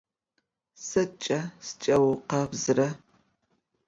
Sıdç'e şşıç'er vuukhebzıra?